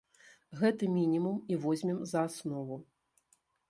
Гэты мінімум і возьмем за аснову.